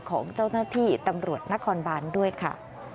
ของเจ้าหน้าที่ตำรวจนครบานด้วยค่ะ